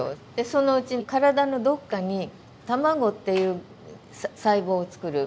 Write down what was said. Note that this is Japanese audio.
そのうち体のどっかに卵っていう細胞を作る